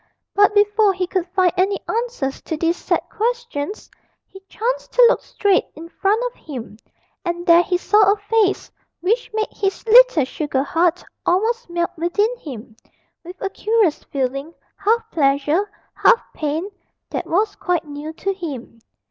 But before he could find any answers to these sad questions he chanced to look straight in front of him, and there he saw a face which made his little sugar heart almost melt within him, with a curious feeling, half pleasure, half pain, that was quite new to him.